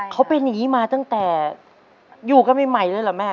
เขาไปหนีมาตั้งแต่อยู่กันไม่ใหม่เลยละแม่